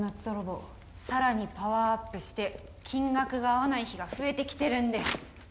泥棒さらにパワーアップして金額が合わない日が増えてきてるんです